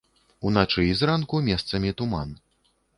Уначы і зранку месцамі туман.